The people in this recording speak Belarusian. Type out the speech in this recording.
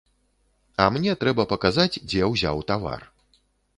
А мне трэба паказаць, дзе ўзяў тавар.